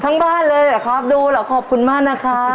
ทั้งบ้านเลยนะครับดูแล้วขอบคุณมากนะครับ